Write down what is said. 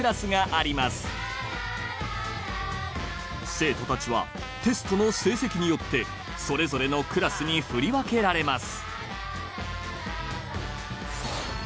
生徒たちはテストの成績によってそれぞれのクラスに振り分けられます